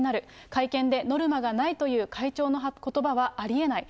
会見でノルマがないという会長のことばはありえない。